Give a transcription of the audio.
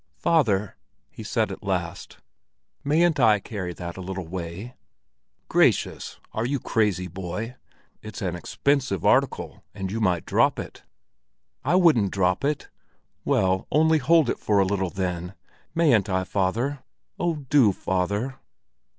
"Father!" he said at last. "Mayn't I carry that a little way?" "Gracious! Are you crazy, boy? It's an expensive article! And you might drop it." "I wouldn't drop it. Well, only hold it for a little then? Mayn't I, father? Oh do, father!"